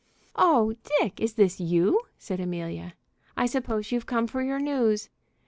"Oh, Dick, is this you?" said Amelia. "I suppose you've come for your news."